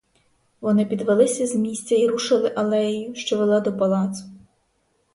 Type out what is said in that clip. Вони підвелися з місця й рушили алеєю, що вела до палацу.